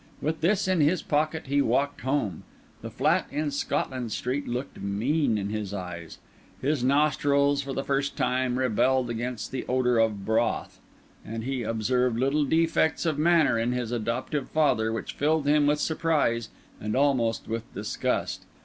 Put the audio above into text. With this in his pocket, he walked home. The flat in Scotland Street looked mean in his eyes; his nostrils, for the first time, rebelled against the odour of broth; and he observed little defects of manner in his adoptive father which filled him with surprise and almost with disgust.